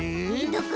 どこ？